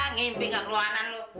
ngimpi nggak keluanan lu